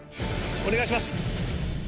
お願いします。